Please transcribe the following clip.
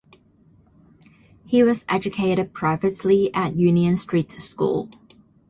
He was educated privately and at Union Street School.